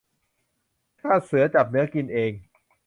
ชาติเสือจับเนื้อกินเอง